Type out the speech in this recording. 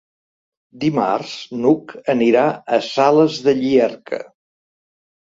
Dimarts n'Hug anirà a Sales de Llierca.